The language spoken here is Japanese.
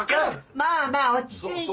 まあまあ落ち着いて。